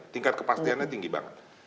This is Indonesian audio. tingkat kepastiannya tinggi banget